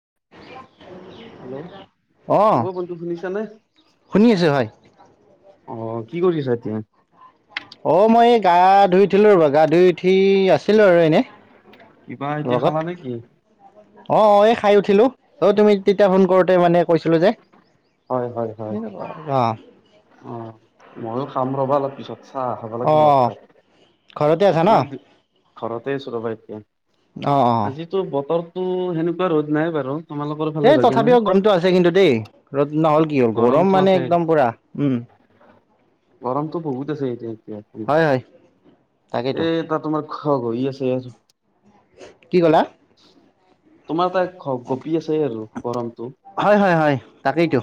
[inaudible] Hello অঁ অ বন্ধু শুনিছানে শুনি আছোঁ হয় অ' কি কৰিছা এতিয়া অঁ মই এই গা ধুই উঠিলো ৰ'বা গা ধুই উঠি আছিলো আৰু এনেই কিবা এতিয়া লগত খালা নে কি? অ- অ এই খাই উঠিলো অ' তুমি তেতিয়া ফোন কৰোতে মানে কৈছিলো যে হয় অঁ অ ময়ো খাম ৰবা অলপ পিছত চাহ হ'ব লাগিব অঁ তাত ঘৰতে আছা ন নাই ঘৰতে আছোঁ ৰ'বা এতিয়া অঁ অঁ আজিতো বতৰটো সেনেকুৱা ৰ'দ নাই বাৰু তোমালোকৰ ফালে এই ভাগে নে? তথাপিও গৰমটো আছে কিন্তু দেই ৰদ নহ'ল কি হ'ল গৰম গৰমটো মানে আছে একদম পুৰা উম গৰমটো বহুত আছে এতিয়া এতিয়া হয় হয় তাকেইতো এ ত তোমাৰ খ হৈ আছে। কি ক'লা তোমাৰ তাত গপী আছে আৰু গৰম হয় হয় হয় তাকেইতো।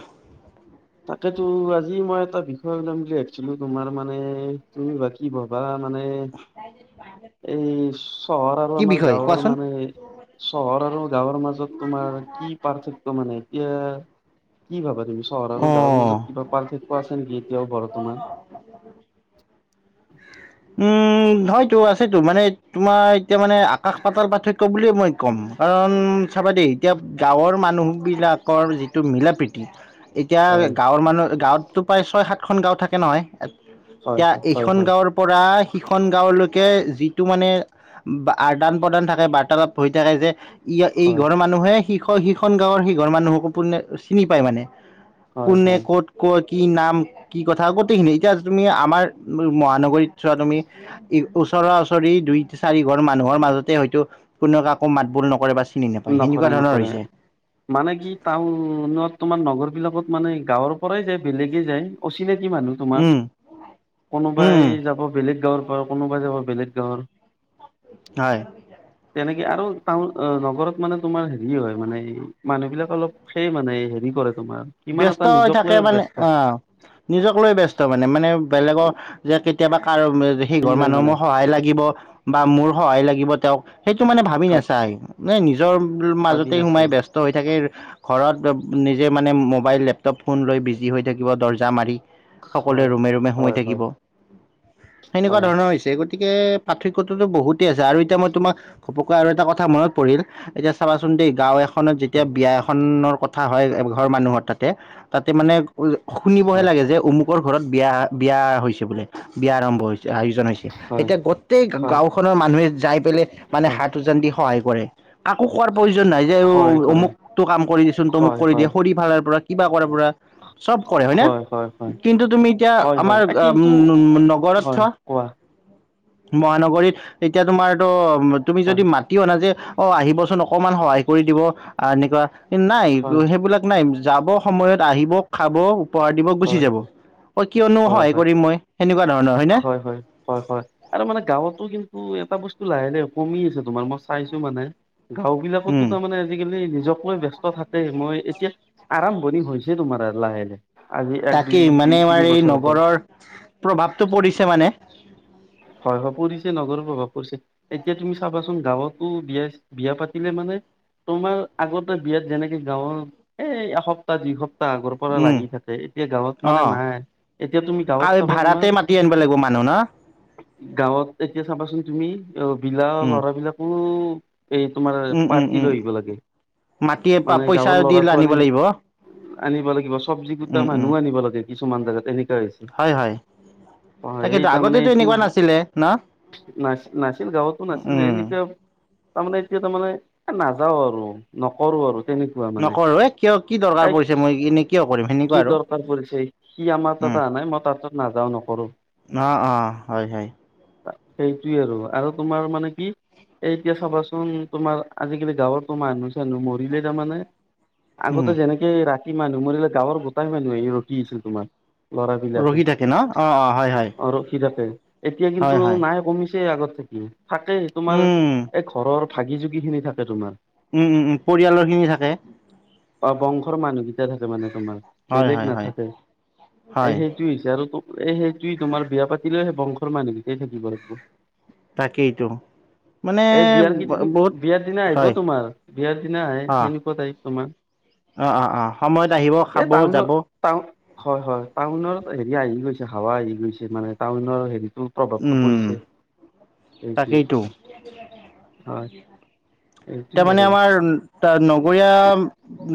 তাকেতো আজি মই এটা বিষয় ওলাম বুলি ভাবছিলো তোমাৰ মানে তুমিবা কি ভবা। মানে এই চহৰ আৰু কি আমাৰ বিষয় গাঁৱৰ কোৱাচোন মানে চহৰ আৰু গাঁৱৰ মাজত তোমাৰ কি পাৰ্থক্য মানে। এতিয়া কি ভাবা তুমি চহৰ আৰু গাঁৱৰ অঁ মাজত কিবা পাৰ্থক্য আছে নেকি এতিয়াও বৰত বৰ্তমান [inaudible] নহয়তো আছেতো মানে তোমাৰ এতিয়া মানে আকাশ পাতাৰ পাৰ্থক্য বুলিয়ে মই ক'ম কাৰণ চাবা দেই এতিয়া গাঁৱৰ মানুহবিলাকৰ যিটো মিলা প্ৰীতি এতিয়া হয় গাঁৱৰ মানুহ গাঁৱততো প্ৰায় ছয় সাতখন গাঁও থাকে নহয়। হয় এতিয়া হয় হয় এইখন হয়। গাঁৱৰ পৰা সিখন গাঁৱলৈকে যিটো মানে আদান প্ৰদান থাকে বাৰ্তালাপ হৈ থাকে যে ইয় এই হয় ঘৰৰ মানুহে সি সিখন গাঁৱৰ সিঘৰৰ মানুহকো পো চিনি পায় মানে। হয় কোনে হয় ক'ত ক'ত কি নাম কি কথা গোটেইখিনি, এতিয়া তুমি আমাৰ মহানগৰীত চোৱা তুমি ই ওচৰা ওচৰি দুই চাৰি ঘৰ মানুহৰ মাজতে হয়তো কোনে কাকো মাত ভুল নকৰে বা চিনি নাপায় সেনেকুৱা নকৰে ধৰণৰ নকৰে হৈছে মানে কি টাউনত তোমাৰ নগৰ বিলাকত মানে গাঁৱৰ পৰাই যায় বেলেগে যায় অচিনাকি কি মানুহ তোমাৰ, উম উম কোনোবাই যাব বেলেগ গাঁৱৰ ঘৰ কোনোবা যে হৈ বেলেগ গাঁৱৰ। হয় তেনেকে আৰু টাউন নগৰত মানে তোমাৰ হেৰি হয় মানে মানুহবিলাক অলপ সেই মানে হেৰি কৰে তোমাৰ ইমান ব্যস্ত এটা হৈ নিজক থাকে লৈ মানে ব্যস্ত অঁ, নিজক লৈ ব্যস্ত মানে মানে বেলেগৰ যে কেতিয়াবা কাৰ সেইঘৰ নাই মানুহ মানে মোৰ সহায় লাগিব বা মোৰ সহায় লাগিব তেওঁক সেইটো মানে ভাবি নেচাই নে নিজ নিজৰ ভাবিন মাজতেই আছে সোমাই ব্যস্ত হৈ থাকে ঘৰত নিজে মানে ম মোবাইল লেপটপ ফোন লৈ বিজি হৈ থাকিব দৰ্জা মাৰি সকলোৱে হয় ৰুমে ৰুমে সোমাই হয় হয় থাকিব সেনেকুৱা হয় ধৰণৰ হৈছে গতিকে পাৰ্থক্যতটোতো বহুতেই আছে আৰু এতিয়া মই তোমাক ঘপক আৰু এটা কথা মনত পৰিল এতিয়া চাবাচোন দেই, গাঁও এখনত যেতিয়া হয় বিয়া এখনৰ কথা হয় ঘৰৰ মানুহৰ তাতে তাতে মানে শুনিবহে লাগে যে অমুকৰ ঘৰত বিয়া বিয়া হৈছে বোলে। বিয়া আৰম্ভ হৈছে, আয়োজন হৈছে, হয় এতিয়া গোটেই হয় হয় গাওঁখনৰ মানুহে [unintelligible] মানে হয় হাইট্ৰুজেনদি সহায় কৰে আকৌ কোৱাৰ প্ৰয়োজন নাই যে অ, হয় কৰে অমুকটো কাম কৰি দিচোন তমুক হয় কৰি দিয়ে হয় খৰি ফালাৰ পৰা কিবা কৰাৰ পৰা। চব কৰে হয় নে কিন্তু তুমি এতিয়া হয় হয় আমাৰ হয় কিন্তু উম নগৰত হয় ছোৱা। [inaudible] মহানগৰীত এতিয়া তোমাৰটো তুমি হয় যদি মাতিও অনা যে অ আহিবচোন অকমান সহায় কৰি দিব আহ এনেকুৱা নাই হয় সেইবিলাক নাই যাব সময়ত আহিব খাব উপহাৰ দিব গুচি হয় যাব। অঁ কিয়নো হয় সহায় হয়, কৰিম মই সেনেকুৱা ধৰণৰ হয়নে হয় হয়, হয় হয় আৰু মানে গাঁৱতো কিন্তু টো এটা বস্তু লাহে লাহে কমি আছে তোমাৰ মই চাইছো মানে গাঁও বিলাকতো উম তাৰমানে আজিকালি নিজক লৈ ব্যস্ত থাকে মই এতিয়া আৰাম পৰি হৈছে তুমাৰ আৰ লাহেকে। তাকেই মানে আমাৰ এই নগৰৰ প্ৰভাৱটো পৰিছে মানে হয় হয় পৰিছে ন প্ৰভাৱ পৰিছে এতিয়া তুমি চাবাচোন গাঁৱতো বিয়া বিয়া পাতিলে মানে তোমাৰ আগতে বিয়াত যেনেকে গাঁৱৰ এ এসপ্তাহ যিসপ্তাহ আগৰ পৰা লাগি থাকে এতিয়া গাঁৱত মানে অঁ নাই এতিয়া তুমি গাঁৱত চাবা তোমাৰ শুনা। গাঁৱত এতিয়া চাবাচোন তুমি, অ, বিলাহ ল'ৰা বিলাকো এই তোমাৰ পাৰ্টি লৈ আহিব লাগে, মাতি মানে পইচা গাঁৱৰ দি ল'ৰা আনিব ছোৱালী লাগিব আনিব লাগিব চব্জি কোটা উম উম মানুহও আনিব লাগে কিছুমান জাগাত। হয়, হয়, তাকেটো আগতেতো এনেকুৱা নাছিলে ন'? নাচ-নাছিলি গাঁৱতো নাছিলে উম এনেকোৱা তাৰমানে এতিয়া তাৰমানে নাযাও আৰু নকৰো আৰু তেনেকুৱা মানে নকৰোঁ এ কিয় কি দৰকাৰ এই পৰিছে মই এনেই কিয় কৰিম সেনেকুৱা কি আৰু দৰকাৰ পৰিছে কি আমাৰ উম তা নাই মই তাৰ তাত নাযাও নকৰো অ অ হয় হয় সেইটোৱে আৰু আৰু তোমাৰ মানে কি এ এতিয়া চাবাচোন তোমাৰ আজিকালি গাঁৱতো মানুহ চানুহ মৰিলে তাৰমানে উম আগতে যেনেকে ৰাতি মানুহ মৰিলে গাঁৱৰ গোটাই মানুহে ৰখি আছিল তোমাৰ লৰা পি লতে ৰখি থাকে ন অ', অ', হয়, হয়, আৰু তে এতিয়া কিন্তু হয়, হয় নাই কমিছে আগত থাকি থাকে সেই তোমাৰ উম, এই ঘৰৰ থাগি জুগি খিনি থাকে তোমাৰ উম উম উম পৰিয়ালৰ খিনি থাকে বা বংশৰ মানুহকেইটা থাকে মানে তোমাৰ হয়, বেলেগ হয়, হয়, নাথাকে এই হয় সেইটো হৈছে আৰু এই সেইটো তোমাৰ বিয়া পাতি থ ল সে বংশৰ মানুহকেইটাই থাকিব লাগিব তাকেই এইটোো এই বিয়াৰ কেইদিন বিয়াৰ দিনা আহিব হয় তোমাৰ বিয়াৰ দিনা আহে অ', সেনেকুৱা তাই তোমাৰ অ অ অ সময়ত আহিব এই খাব যাব টাউনত টাউন হয় হয় টাউন হেৰি আহি গৈছে হাৱা আহি গৈছে মানে টাউনৰ হেৰি প্ৰভাৱটো উম পৰিছে এই কি তাকেইতো হয় এইটোৱে তাৰ মানে আৰু আমাৰ নগৰীয়া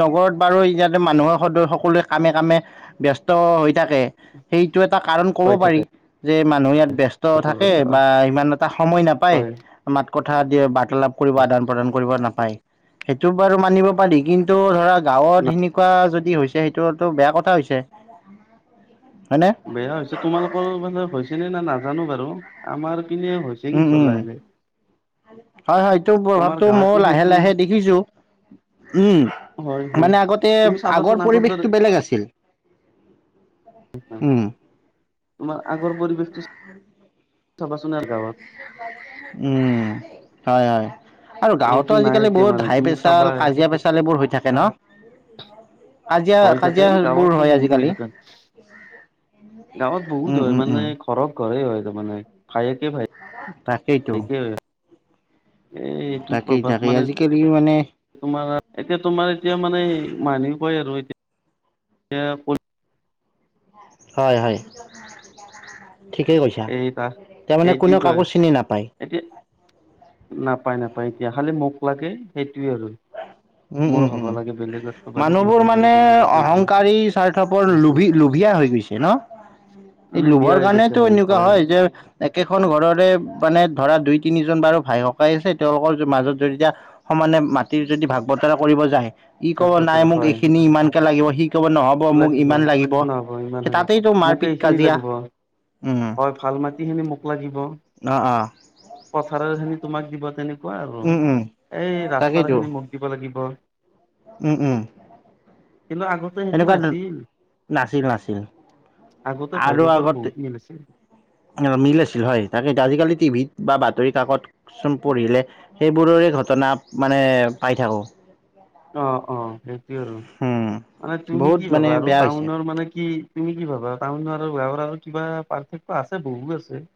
নগৰত বাৰু ইয়াতে মানুহৰ সদ সকলোৱে কামে কামে ব্যস্ত হৈ থাকে সেই এইটো এটা কাৰণ কব হৈ থাকে পাৰি যে মানুহে ইয়াত বিয়স্ত ক'ব থাকে গ'লে। অ, বা ইমান এটা সময় নাপায় হয় মাতকট কথািয়ে বাৰ্তালাপ কৰিব আদান প্ৰদান কৰিব নাপায় সেইটো বাৰু মানিব পাৰি কিন্তু ধৰাক না গাঁৱত সেনেকুৱা যদি হৈছে সেইটোতো বেয়া কথা হৈছে হয়নে বেয়া হৈছে তোমালোকৰ মানে হৈছে নে না নাজানো বাৰু আমাৰ পিনে হৈছে উম কিন্তু উম লাহে লাহে হয় হয় এইটো তোমাৰ প্ৰভাৱটো মই গাঁৱতো লাহে সেইটো লাহে দেখিছো [unintelligible] উম হয় হয় মানে আগতে তুমি আগৰ চাবাচোন পৰিৱেশটো দৰে বেলেগ আছিল উম তোমাৰ আগৰ পৰিৱেশটো চাবাচোন আৰু গাঁৱত উম হয় হয় আৰু গাঁৱতো এইটো নাই আজিকালি এতিয়া বহুত মানে হাই তুমি প্ৰেচাৰ চাবা কাজিয়া প্ৰেছাৰ এইবোৰ হৈ থাকে ন কাজিয়া হয় থাকতে কাজিয়াবোৰ গাঁৱতো হয় বহুত হৈ আজিকালি। থতেন গাঁৱত বহুত উম হয় উম মানে উম ঘৰৰত ঘৰে হয় তাৰমানে ভায়েকে ভায়ে তাকেইতো এ এইটো তাকেই প্ৰভাৱ তাকেই মানে আজিকালি মানে তোমাৰ এতিয়া তোমাৰ এতিয়া মানে মানহ পায় আৰু এতিয়া এ ক হয় হয় ঠিকেই কৈছা এই তাচ তাৰমানে সেইটো কোনেও কয় কাকো চিনি নাপায় এতিয়া নাপায় নাপায় এতিয়া খালি মোক লাগে সেইটোয়ে আৰু উম উম মোৰো হ'ব উম লাগে বেলেগ মানুহবোৰ মানে অহংকাৰী স্বাৰ্থপৰ লো লোভিয়া হৈ গৈছে ন? এই লুবিয়া লোভৰ হৈ গৈছে কাৰণেতটো এনেকুৱা হয় যে একেখন ঘৰৰে মানে ধৰা দুই তিনিজন বাৰু ভাই সকাই আছে তেওঁলোকৰ মাজত যে যেতিয়া মানে মাটি যদি ভাগ বতৰা কৰিব যায় ই ভাগ কব নাই বতৰা মোক হয় এইখিনি ইমানকে লাগিব সি কব নহব মোক ইমান লাগিব নহ'ব ইমান সেই হলে তাতেইতো মোক মাৰপিত এইখিনি কাজিয়া লাগিব উম হয় ভাল মাটিখিনি মোক লাগিব, অ' অ' পথাৰৰ খিনি তোমাক দিব তেনেকুৱা আৰু, উম উম এই ৰাস্তাৰ তাকেইতো খিনি মোক দিব লাগিব। উম উম। কিন্ত আগত সেইটো এনেকুৱা নাছিল, নাছিল নাছিল আগতে ভাই আৰু হঁতৰ আগতে বহুত মিল আছিল। মিল আছিল হয়, তাকে আজিকালি টিভি বা বাতৰি কাকতচোন পঢ়িলে সেইবোৰৰে ঘটনা মানে পাই থাকো। অ অ সেইটোৱেই আৰু, মানে তুমি বহুত কি মানে ভাবা আৰু বেয়া হৈছে টাউনৰ মানে কি তুমি কি ভাবা তুমি আৰু আৰু কিবা পাৰ্থক্য আছে বহু আছে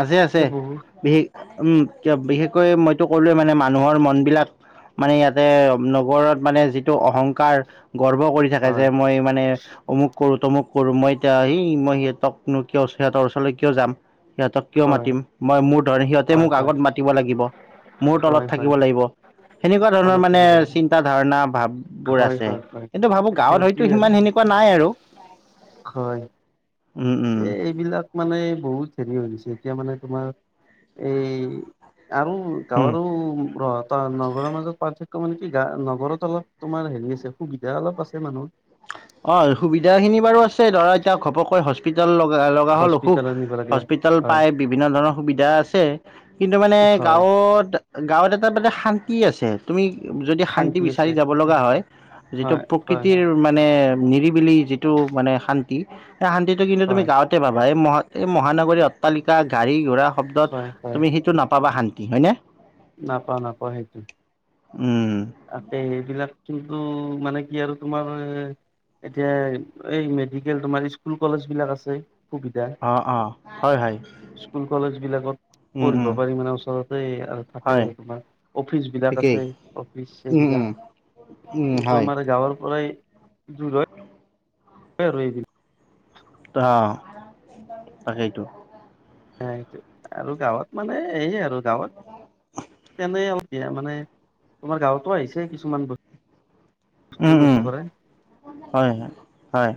আছে আছে এতিয়া বহু বিশেষ উম কিবা বিশেষকৈ মইতো সকলোৱে মানে মানুহৰ মন বিলাক মানে ইয়াতে নগৰত মানে যিটো অহংকাৰ গৰ্ব কৰি থাকে যে হয় মই মানে অমুক কৰো। তমুক কৰো মই এতিয়া সি মই সিহঁতকনো কিয় সিহতৰ ওচৰলৈ কিয় যাম। সিহঁতক কিয় হয় মাতিম মই মোৰ ধৰণে সিহঁতে হয় মোক হয় আগত মাতিব লাগিব। মোৰ তলত হয় হয় থাকিব হয়। লাগিব। সেনেকুৱা ধৰণৰ তলত মানে থাকিব লাগিব চিন্তা ধাৰণা ভাব বোৰ হয় আছে হয় হয় কিন্তু ভাবো গাঁৱত হয়তো সেইটোৱে আৰু সিমান সেনেকুৱা। নাই আৰু নাই, হয় এই এইবিলাক মানে বহুত, ছে এতিয়া মানে তোমাৰ এই আৰু উম। গৱাৰ ৰ ত নগৰ মাজত পাৰ্থক্য, মানে কি গা নগৰত অলপ তোমাৰ হেৰি আছে সুবিধা অলপ আছে মানুহৰ। অ সুবিধা খিনি বাৰু আছে ধৰা এতিয়া ঘপককৈ হস্পিতাল লগা লগা হল অসুখ, হস্পিতালত নিব লাগে হস্পিতেল হয় পাই বিভিন্ন ধৰণৰ সুবিধা আছে কিন্তু মানে হয় গাঁৱত, গাঁৱত এটা মানে শান্তি আছে তুমি। যদি শান্তি বিচাৰি যাব লগা হয় যিটো হয় হয় প্ৰকৃতিৰ ম নিৰিবিলি যিটো মানে শান্তি সে শান্তিটো কিন্তু হয় তুমি গাঁৱতে পাবা মহ এই মহানগৰী অট্টালিকা গাড়ী ঘোৰা শব্দত হয় তুমি সেইটো নাপাবা শান্তি হয়নে। নাপা নাপাওঁ সেইটো। উম, আছে সেইবিলাক কিন্তু মানে, কি আৰু তোমাৰ এ এতিয়া এই মেডিকেল তোমাৰ স্কুল কলেজ বিলাক আছে। সুবিধা অ অ, হয়, হয়, স্কুল কলেজ বিলাকত। উম, পঢ়িব উম, পাৰি মানে ওচৰতে আৰু থাকে হয় তোমাৰ অফিচ বিলাক ঠিকেই আছে। [unintelligible] উম, বিলাকটো উম, উম, হয়। আমাৰ গাঁৱৰ পৰাই দোৰ হয়। তই ৰুই আহিবি। অ' তাকেইটো সেইটো আৰু গাওঁত মানে এইয়ে আৰু গাওঁত তেনে অলপ মানে তোমাৰ গাওঁতো আহিছে কিছুমান বস্তু উম, নতুন উম, কৰে হয়, হয়।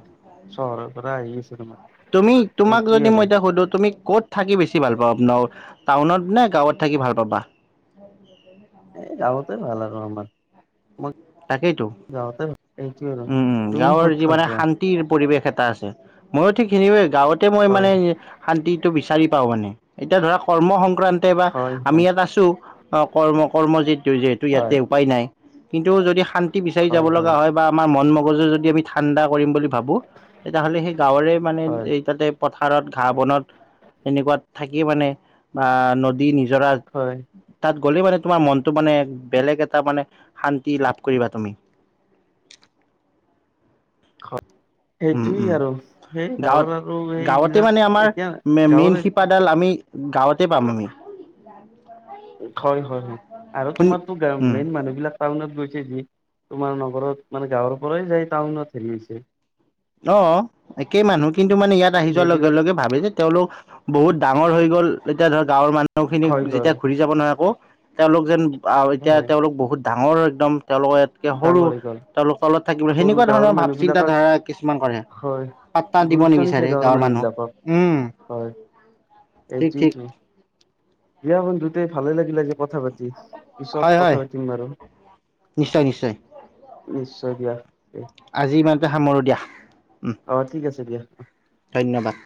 চহৰৰ পৰা আহি আছোঁ তোমাৰ। তুমি তোমাক সেইটোয়ে যদি আৰু মই এতিয়া সুধো তুমি ক'ত থাকি বেছি ভাল পাওঁ ন টাউনত নে গাওঁত থাকি ভাল পাবা? এই গাওঁতেই ভাল আৰু আমাৰ মই তাকেইতো গাঁৱতে এইটোৱে আৰু উম, তুমি গাঁৱৰ ক'ত যি ভাল মানে পোৱা? শান্তিৰ পৰিৱেশ এটা এটা আছে মইয়ো ঠিক সিনে গাঁৱতে মই হয়, মানে শান্তিটো বিচাৰি পাওঁ মানে এতিয়া ধৰা কৰ্ম সং সংক্ৰান্তে বা হয়, আমি হয়, ইয়াত আছো কৰ্ম-কৰ্ম যিটো যিহেতু ইয়াতে হয়, উপায় নাই কিন্তু যদি শান্তি বিচাৰি যাব লগা হয় বা আমাৰ মন মগজু যদি আমি ঠাণ্ডা কৰিম বুলি ভাবো তেতিয়াহ'লে সেই গাঁৱৰে মানে হয়, এই তাতে পথাৰত ঘাঁহ বনত এনেকুৱাত থাকি মানে আ নদী নি হয়, [unintelligible] তাত গ'লে মানে তোমাৰ মনটো মানে বেলেগ এটা মানে শান্ত কি লাভ কৰিবা তুমি। খ। উম- উম, গাঁৱত আৰু গাঁৱতে সেইবিলাক মানে আমাৰ এতিয়া মেইন গাঁৱৰে শিপাডাল আমি গাঁৱতে পাম আমি। হয় হয়- হয় আৰু শুনি তোমাৰতো গ উম মেইন মানুহ বিলাক টাউনত গৈ তোমাৰ নগৰত মানে গাঁৱৰ পৰাই যায় টাউনত হেৰি হৈছে। অ' একেই মানুহ কিন্তু মানে ইয়াত আহি যোৱাৰ সেইবিলাক লগে-লগে ভাবে যে তেওঁলোক বহুত ডাঙৰ হৈ গ'ল, এতিয়া ধৰ গাঁৱৰ মানুহ খিনিক হৈ গ'ল যেতিয়া ঘূৰি যাব নহয় আকৌ তেওঁলোক যেন আৰু এতিয়া হয় তেওঁলোক বহুত ডাঙৰ একদম তেওঁলোকৰ ইয়াতকে সৰু ডাঙৰ হৈ গ'ল তেওঁলোক তলত থাকিব সৰু সেনেকুৱা গাঁৱৰ ধৰণৰ ভাৱ মানুহ বিলাকক চিন্তাধাৰা হয় গুৰুত্ব নিদিয়ে নিবিচাৰে গাঁৱৰ মানুহক মানুহবিলাকক উম হয়। ঠিক ঠিক এইটোৱেটো। বিয়া বন্ধুতে ভালে লাগিল আজি কথা পাতি পিছত হয় হয় কথা পাতিম আৰু। নিশ্চয় নিশ্চয় নিশ্চয় দিয়া। আজি ইমানতে সামৰো দিয়া। উম অ', ঠিক আছে দিয়া। ধন্যবাদ